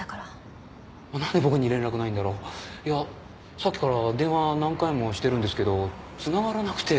さっきから電話何回もしてるんですけどつながらなくて。